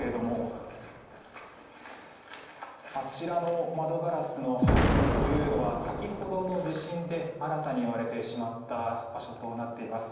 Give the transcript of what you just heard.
あちらの窓ガラスの破損というのは先ほどの地震で新たに割れてしまった場所となっています。